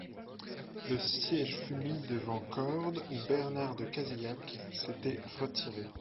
Le siège fut mis devant Cordes où Bernard de Cazilhac s'était retiré.